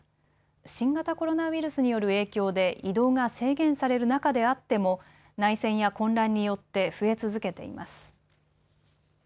新型コロナウイルスによる影響で移動が制限される中であっても内戦や混乱によって増え続けています。